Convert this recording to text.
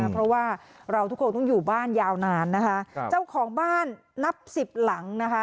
เพราะว่าเราทุกคนต้องอยู่บ้านยาวนานนะคะเจ้าของบ้านนับสิบหลังนะคะ